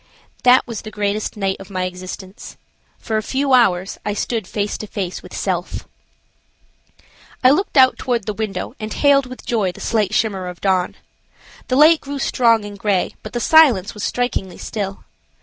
That was the greatest night of my existence. For a few hours I stood face to face with "self!" I looked out toward the window and hailed with joy the slight shimmer of dawn. The light grew strong and gray, but the silence was strikingly still.